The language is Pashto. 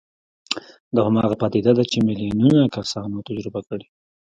دا هماغه پدیده ده چې میلیونونه کسانو تجربه کړې